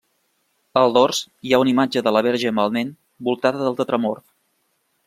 Al dors hi ha una imatge de la Verge amb el Nen voltada del Tetramorf.